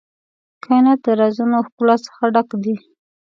کائنات د رازونو او ښکلا څخه ډک دی.